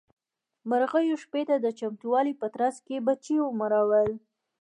مرغيو شپې ته د چمتووالي په ترڅ کې بچي مړول.